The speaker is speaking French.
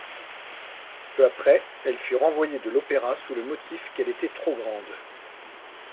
Peu après, elle fut renvoyée de l'opéra sous le motif qu'elle était trop grande.